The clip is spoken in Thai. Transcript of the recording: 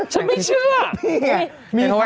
ฉันไม่เชื่อ